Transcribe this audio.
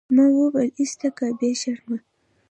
ما وويل ايسته که بې شرمه.